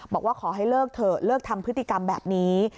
บอกว่าขอให้เลิกเถอะเลิกทำพฤติกรรมแบบนี้